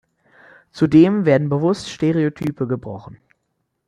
Zudem werden bewusst Stereotype gebrochen.